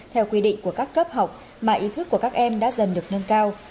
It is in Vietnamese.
theo quy định của các cấp học mà ý thức của các em đã dần được nâng cao